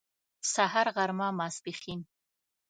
سهار غرمه ماسپښين